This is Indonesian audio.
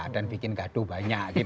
dan bikin gaduh banyak